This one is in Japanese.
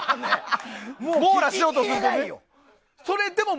網羅しようとするとね。